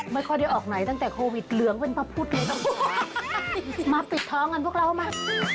ไม่ค่อยได้ออกไหนตั้งแต่โควิดเหลืองเป็นพระพุทธเลย